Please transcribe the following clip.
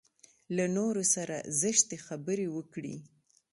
له نورو سره زشتې خبرې وکړي.